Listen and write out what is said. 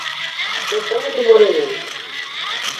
Santana do Maranhão